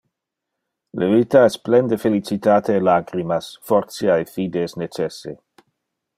Le vita es plen de felicitate e lacrimas, fortia e fide es necesse.